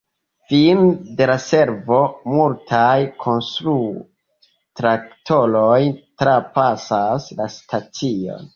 Fine de la servo, multaj konstru-traktoroj trapasas la stacion.